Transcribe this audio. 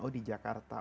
oh di jakarta